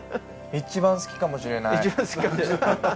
一番好きかもしれないハハハ。